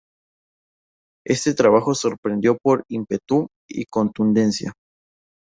Este trabajo sorprendió por ímpetu y contundencia.